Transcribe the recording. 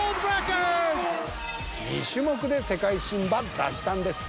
２種目で世界新ば出したんです。